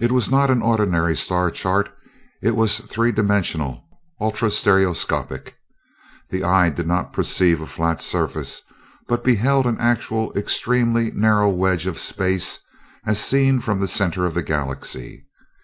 It was not an ordinary star chart: it was three dimensional, ultra stereoscopic. The eye did not perceive a flat surface, but beheld an actual, extremely narrow wedge of space as seen from the center of the galaxy.